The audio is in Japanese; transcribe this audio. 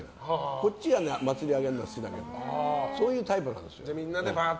こっちが祭り上げるのは好きだけどそういうタイプなんです。